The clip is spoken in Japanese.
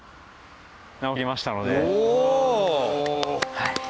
はい。